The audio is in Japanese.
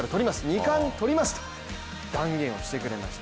２冠とりますと断言してくれました